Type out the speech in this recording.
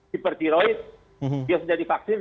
super tiroid dia sudah divaksin